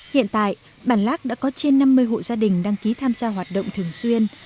hiện tại bản lác đã có trên năm mươi hộ gia đình đăng ký tham gia hoạt động thường xuyên